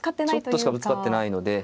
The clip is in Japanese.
ちょっとしかぶつかってないので。